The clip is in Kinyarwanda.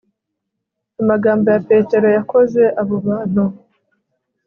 Amagambo ya Petero yakoze abo bantu